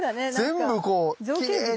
全部こうきれいに。